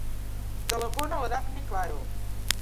Telefona a la Dafne Claro.